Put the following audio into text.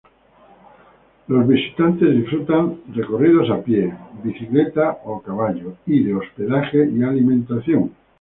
Los visitantes disfrutan recorridos a pie, bicicleta o a caballo, hospedaje y alimentación.